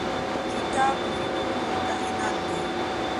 کتاب د فکرونو کائنات دی.